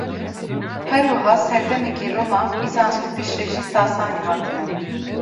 Her wiha serdemekê Roma, Bîzans û piştre jî sasanî hatine vir.